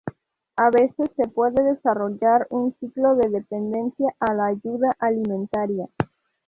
A veces se puede desarrollar un ciclo de dependencia a la ayuda alimentaria.